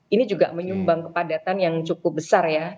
ini juga menyumbang kepadatan yang cukup besar ya